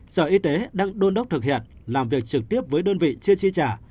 sở y tế đang đôn đốc thực hiện làm việc trực tiếp với đơn vị chưa chi trả